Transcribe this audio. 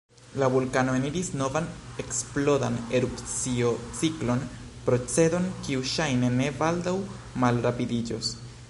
La vulkano eniris novan eksplodan erupciociklon, procedon kiu ŝajne ne baldaŭ malrapidiĝos.